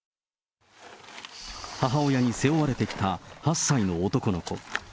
母親に背負われてきた８歳の男の子。